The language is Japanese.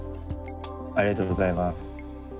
ありがとうございます。